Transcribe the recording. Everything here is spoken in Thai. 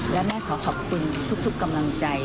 และแม่ขอขอบคุณทุกกำลังใจ